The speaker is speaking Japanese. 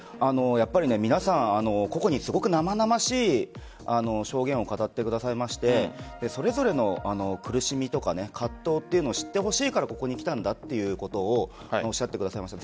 やっぱり皆さん個々にすごく生々しい証言を語ってくださいましてそれぞれの苦しみとか葛藤というのを知ってほしいからここに来たんだということをおっしゃってくださいました。